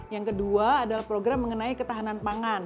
yang kedua adalah program mengenai ketahanan pangan